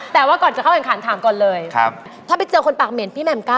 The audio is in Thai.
แต่ว่าก่อนเกิดเข้าแขวนขาลถามก่อนเลย